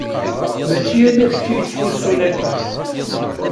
Mačči ala kečči i yettḥussun akka.